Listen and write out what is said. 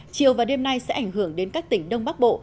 chiều và đêm nay sẽ ảnh hưởng đến các tỉnh đông bắc bộ